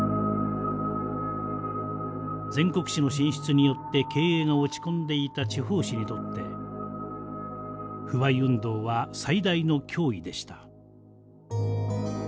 全国紙の進出によって経営が落ち込んでいた地方紙にとって不買運動は最大の脅威でした。